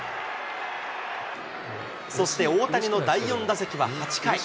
そして大谷の第４打席は８回。